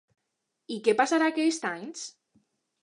I que passarà aquests anys?